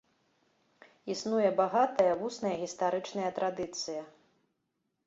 Існуе багатая вусная гістарычная традыцыя.